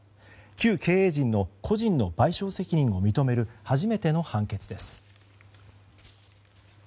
旧経営陣の個人の賠償責任を認める初めての判決です。